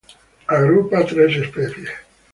Agrupa tres especies.